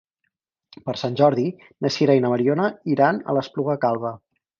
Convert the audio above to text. Per Sant Jordi na Sira i na Mariona iran a l'Espluga Calba.